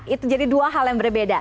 itu jadi dua hal yang berbeda